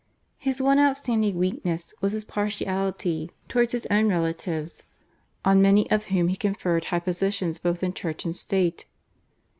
His one outstanding weakness was his partiality towards his own relatives, on many of whom he conferred high positions both in church and state.